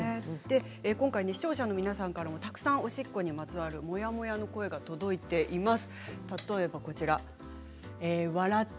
視聴者の方からもたくさんおしっこにまつわるモヤモヤの声が届いています。